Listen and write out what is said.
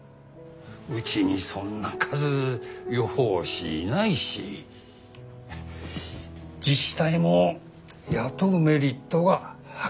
うちにそんな数予報士いないし自治体も雇うメリットがはっきりしないなあ。